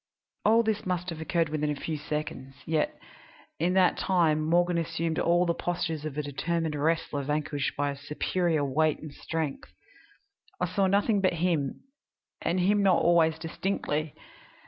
"All this must have occurred within a few seconds, yet in that time Morgan assumed all the postures of a determined wrestler vanquished by superior weight and strength. I saw nothing but him, and him not always distinctly.